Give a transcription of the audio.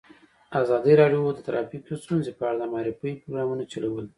ازادي راډیو د ټرافیکي ستونزې په اړه د معارفې پروګرامونه چلولي.